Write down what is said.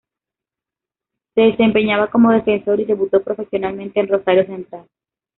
Se desempeñaba como defensor y debutó profesionalmente en Rosario Central.